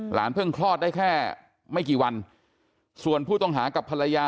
เพิ่งคลอดได้แค่ไม่กี่วันส่วนผู้ต้องหากับภรรยา